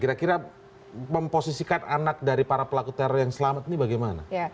kira kira memposisikan anak dari para pelaku teror yang selamat ini bagaimana